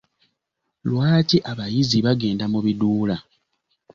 Lwaki abayizi bagenda mu biduula?